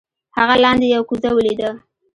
هغه لاندې یو کوزه ولیده.